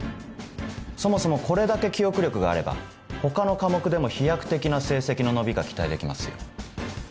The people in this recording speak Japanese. そもそもこれだけ記憶力があれば他の科目でも飛躍的な成績の伸びが期待できますよ。